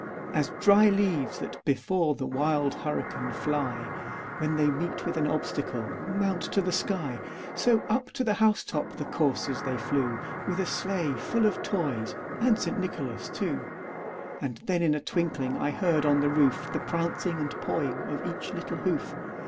As dry leaves that before the wild hurricane fly, When they meet with an obstacle, mount to the sky, So, up to the house top the coursers they flew, With a sleigh full of toys and St. Nicholas too. And then in a twinkling I heard on the roof, The prancing and pawing of each little hoof.